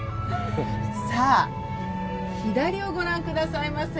さあ左をご覧くださいませ。